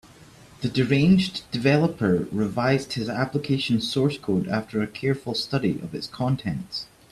The deranged developer revised his application source code after a careful study of its contents.